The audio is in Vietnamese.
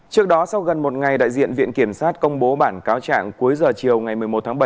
trước đó sau gần một ngày đại diện viện kiểm sát công bố bản cáo trạng cuối giờ chiều ngày một mươi một tháng bảy